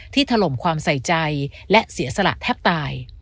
ถล่มความใส่ใจและเสียสละแทบตาย